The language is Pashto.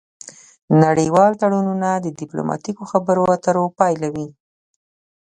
نړیوال تړونونه د ډیپلوماتیکو خبرو اترو پایله وي